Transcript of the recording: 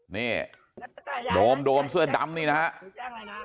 นี่โดมเสื้อดำนี่นะครับ